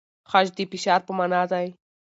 خج د فشار په مانا دی؟